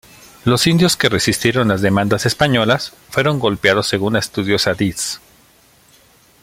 Los indios que resistieron las demandas españolas fueron golpeados según la estudiosa Deeds.